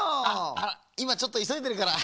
あいまちょっといそいでるから。